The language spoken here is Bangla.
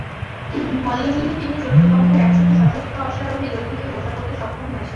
মল্লযুদ্ধে তিনি শত্রুপক্ষের একশত সশস্ত্র অশ্বারোহী যোদ্ধাকে হত্যা করতে সক্ষম হয়েছেন।